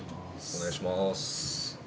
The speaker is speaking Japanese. お願いします。